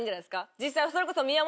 実際それこそ。